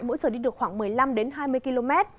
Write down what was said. mỗi giờ đi được khoảng một mươi năm đến hai mươi km